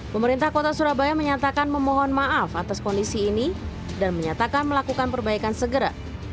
pemerintah kota surabaya menyatakan memohon maaf atas kondisi ini dan menyatakan melakukan perbaikan segera